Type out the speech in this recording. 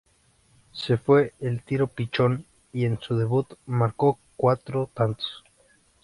Se fue al Tiro Pichón y en su debut marcó cuatro tantos.